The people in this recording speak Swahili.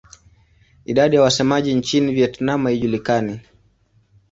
Idadi ya wasemaji nchini Vietnam haijulikani.